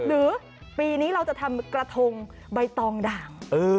หรือปีนี้เราจะทำกระทงใบตองด่าง